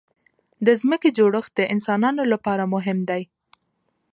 د ځمکې جوړښت د انسانانو لپاره مهم دی.